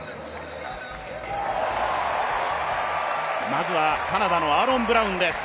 まずはカナダのアーロン・ブラウンです。